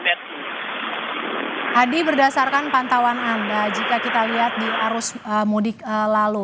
hadi berdasarkan pantauan anda jika kita lihat di arus mudik lalu